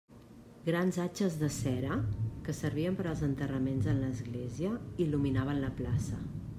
Grans atxes de cera, que servien per als enterraments en l'església, il·luminaven la plaça.